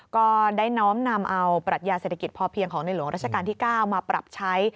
ก็ได้น้อมนำเอาปรัชญาเศรษฐกิจพอเพียงของในหลวงราชการที่๙มาปรับใช้